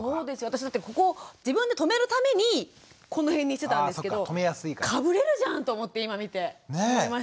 私なんて自分で留めるためにこの辺にしてたんですけどかぶれるじゃんと思って今見て思いました。